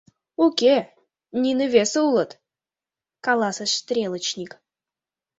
— Уке, нине весе улыт, — каласыш стрелочник.